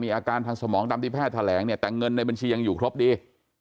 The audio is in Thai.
อาการทางสมองตามที่แพทย์แถลงเนี่ยแต่เงินในบัญชียังอยู่ครบดี